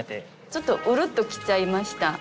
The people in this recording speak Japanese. ちょっとウルッと来ちゃいました。